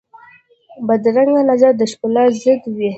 بدرنګه نظر د ښکلا ضد وي